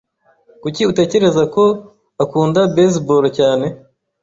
Kuki utekereza ko akunda baseball cyane?